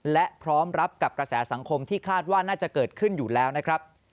และพร้อมรับกับกระแสสังคมที่คาดว่าน่าจะเกิดขึ้นอยู่แล้วนะครับ